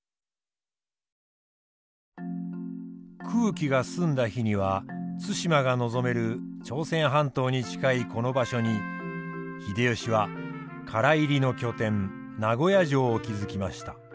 空気が澄んだ日には対馬が望める朝鮮半島に近いこの場所に秀吉は唐入りの拠点名護屋城を築きました。